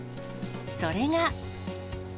それが。